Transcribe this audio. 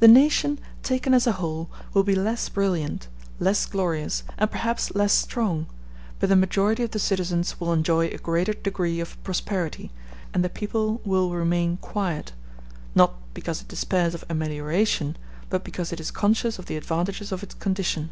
The nation, taken as a whole, will be less brilliant, less glorious, and perhaps less strong; but the majority of the citizens will enjoy a greater degree of prosperity, and the people will remain quiet, not because it despairs of amelioration, but because it is conscious of the advantages of its condition.